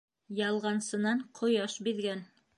Ялғансынан ҡояш биҙгән.